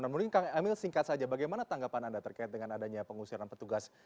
namun ini kang kamil singkat saja bagaimana tanggapan anda terkait dengan adanya pengusiran petugas